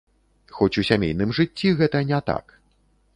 Хоць у сямейным жыцці гэта не так.